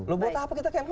lo buat apa kita ke mk